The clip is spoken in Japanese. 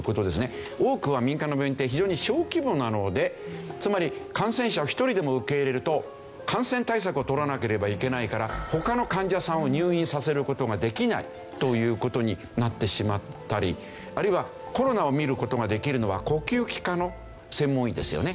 多くは民間の病院って非常に小規模なのでつまり感染者を一人でも受け入れると感染対策をとらなければいけないから他の患者さんを入院させる事ができないという事になってしまったりあるいはコロナを診る事ができるのは呼吸器科の専門医ですよね。